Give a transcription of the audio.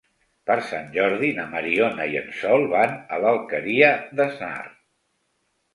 Per Sant Jordi na Mariona i en Sol van a l'Alqueria d'Asnar.